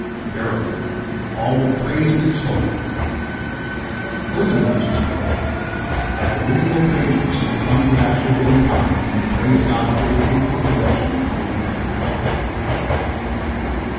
Verily, all will praise and extol me." Furthermore she spoke: "As the women will praise me, so the sons of Asher will in time to come praise God for their fruitful possession in the Holy Land."